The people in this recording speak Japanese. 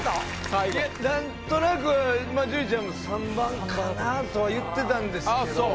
最後何となく樹ちゃんも３番かなとは言ってたんですけどあ